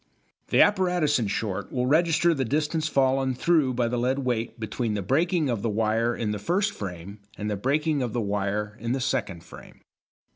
The apparatus, in short, will register the distance fallen through by the lead weight between the breaking of the wire in the first frame and the breaking of the wire in the second frame.